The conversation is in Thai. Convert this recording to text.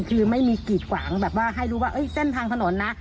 คือไม่มีกีดขวางแบบว่าให้รู้ว่าเส้นทางถนนนะ